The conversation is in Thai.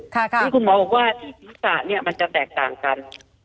ที่คุณหมอบอกว่าที่ศีรษะเนี่ยมันจะแตกต่างกัน